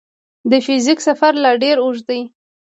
د فزیک سفر لا ډېر اوږ دی.